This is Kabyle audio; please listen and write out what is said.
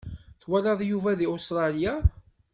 Twalaḍ Yuba di Ustralya?